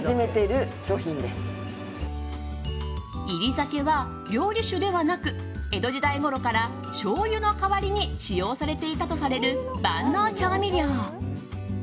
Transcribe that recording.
煎り酒は、料理酒ではなく江戸時代ごろからしょうゆの代わりに使用されていたとされる万能調味料。